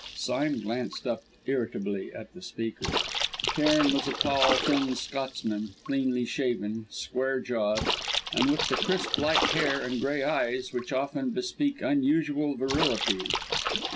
Sime glanced up irritably at the speaker. Cairn was a tall, thin Scotsman, clean shaven, square jawed, and with the crisp light hair and grey eyes which often bespeak unusual virility.